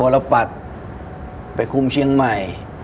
รปัดไปคุมเชียงใหม่